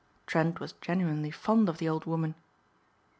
Trent was genuinely fond of the old woman.